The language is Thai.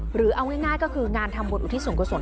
หรือเอาง่ายก็คืองานทำบทอุทิศศูนย์กฎสน